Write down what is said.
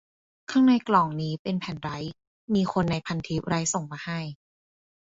ข้างในกล่องนี่เป็นแผ่นไรต์ มีคนในพันทิปไรต์ส่งมาให้